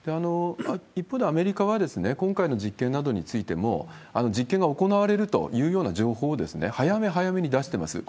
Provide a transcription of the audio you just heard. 一方でアメリカは、今回の実験などについても、実験が行われるというような情報を早め早めに出してますよ。